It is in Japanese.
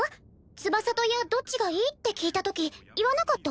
翼と矢どっちがいい？って聞いたとき言わなかった？